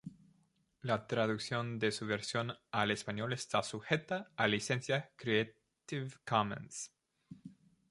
La traducción de su versión al español está sujeta a licencia Creative Commons.